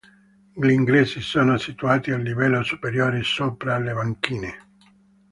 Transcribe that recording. Gli ingressi sono situati al livello superiore, sopra le banchine.